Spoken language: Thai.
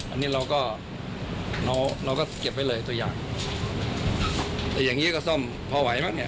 อันนี้เราก็เราเราก็เก็บไว้เลยตัวอย่างแต่อย่างงี้ก็ซ่อมพอไหวบ้างเนี่ย